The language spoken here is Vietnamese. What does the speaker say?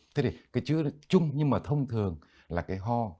thế thì cái chữ chung nhưng mà thông thường là cái ho